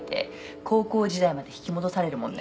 「高校時代まで引き戻されるもんね」